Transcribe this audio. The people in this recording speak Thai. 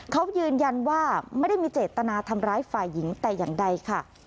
เขายืนยันว่าไม่ได้มีเจตนาทำร้ายฝ่ายหญิงแต่อย่างใดค่ะ